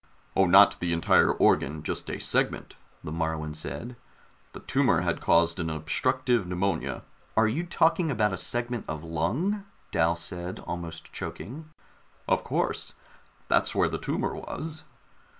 "Oh, not the entire organ, just a segment," the Moruan said. "The tumor had caused an obstructive pneumonia " "Are you talking about a segment of lung?" Dal said, almost choking. "Of course. That's where the tumor was."